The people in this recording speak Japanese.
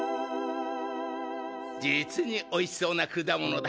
実においしそうな果物だ。